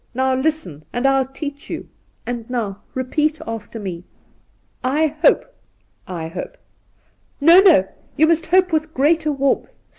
Now listen, and I'll teach you ; and now repeat after me :" I hope "'' I hope '' No, no' ! You must hope with greater warmth.